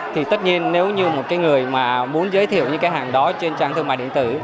thì tất nhiên nếu như một cái người mà muốn giới thiệu những cái hàng đó trên trang thương mại điện tử